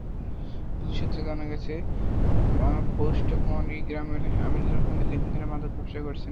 Police সূত্রে জানা গেছে, পোষ্টকামুরী গ্রামের আমিনুর রহমান দীর্ঘদিন ধরে মাদক ব্যবসা করছেন।